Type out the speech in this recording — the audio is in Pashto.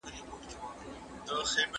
هغه بېغمه له مرګه ژونده